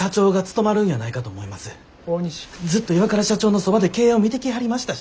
ずっと岩倉社長のそばで経営を見てきはりましたし。